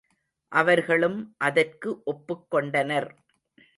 அவர்களும் அதற்கு ஒப்புக் கொண்டனர்.